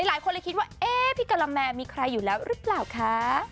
หลายคนเลยคิดว่าเอ๊ะพี่กะละแมมีใครอยู่แล้วหรือเปล่าคะ